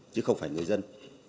chứ không phải người dân